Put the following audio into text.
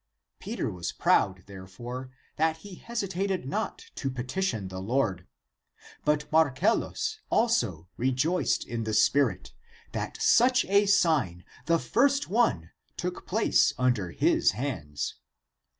Peter was proud therefore, that he hesitated not to petition the Lord ; but Marcellus also rejoiced in the Spirit, that such a sign — the first one — took place under his hands.